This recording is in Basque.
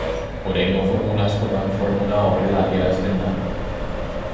Oraingo formula askotan formula horrela adierazten da.